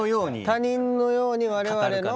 他人のように我々の。